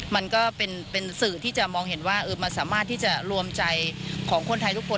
มันก็เป็นสื่อที่จะมองเห็นว่ามันสามารถที่จะรวมใจของคนไทยทุกคน